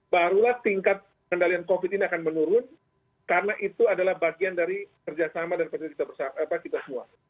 barulah tingkat kendalian covid ini akan menurun karena itu adalah bagian dari kerja sama dan partisipasi kita semua